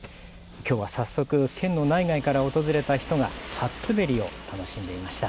きょうは早速、県の内外から訪れた人が初滑りを楽しんでいました。